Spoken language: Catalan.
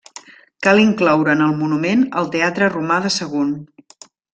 Cal incloure en el monument el teatre romà de Sagunt.